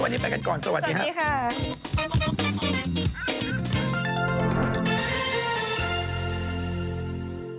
วันนี้ไปกันก่อนสวัสดีครับสวัสดีค่ะ